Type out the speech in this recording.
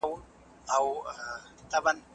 د ځمکې ساتنه په الهي قدرت کې ده.